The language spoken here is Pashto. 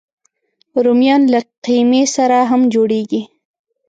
رومیان له قیمې سره هم جوړېږي